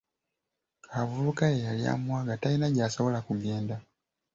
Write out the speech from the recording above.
Kaabuvubuka ye yali amuwaga talina gy'asobola kugenda.